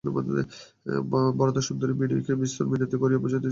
বরদাসুন্দরী বিনয়কে বিস্তর মিনতি করিয়া বুঝাইতে চেষ্টা করিলেন।